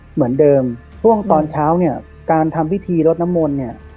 เหมือนเดิมช่วงตอนเช้าการทำพิธีรถน้ำมนต์